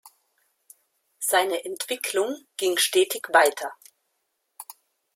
Seine Entwicklung ging stetig weiter.